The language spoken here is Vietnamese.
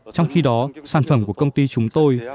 trong khi đó sản phẩm của công ty chúng tôi